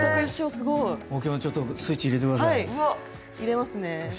スイッチ入れてください。